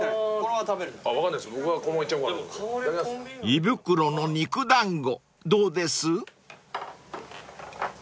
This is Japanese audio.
［胃袋の肉団子どうです？］